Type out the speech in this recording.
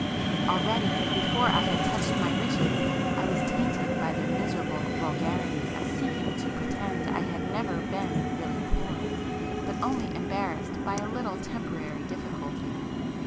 Already, before I had touched my riches, I was tainted by the miserable vulgarity of seeking to pretend I had never been really poor, but only embarrassed by a little temporary difficulty!